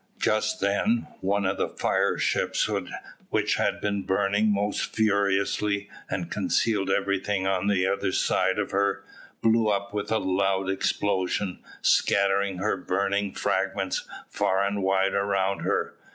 Just then, one of the fire ships which had been burning most furiously, and concealed everything on the other side of her, blew up with a loud explosion, scattering her burning fragments far and wide around her.